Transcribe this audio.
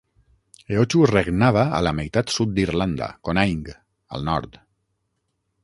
Eochu regnava a la meitat sud d'Irlanda, Conaing, al nord.